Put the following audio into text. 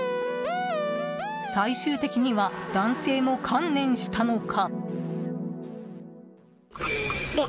最終的には男性も観念したのか。